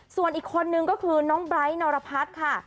ส่วนอีกคนนึงก็คือน้องไบร์ทนรพัฒน์ค่ะ